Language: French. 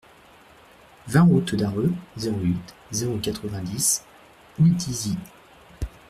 vingt route d'Arreux, zéro huit, zéro quatre-vingt-dix, Houldizy